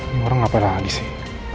aduh orang apa lagi sih